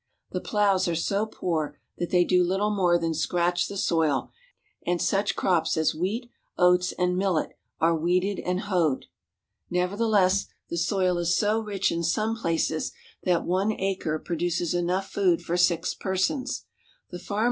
The plows are so poor that they do little more than scratch the soil, and such crops as wheat, oats, and millet are weeded and hoed. Nevertheless, the soil is so rich in some places that one acre produces enough food for six persons. The farmers r— rr w ^''_!.,^ ii.»'''* ^